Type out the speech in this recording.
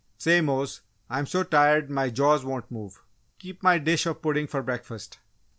"Say, Mose, I'm so tired my jaws won't move! Keep my dish of pudding for breakfast."